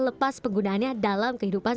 lepas penggunaannya dalam kehidupan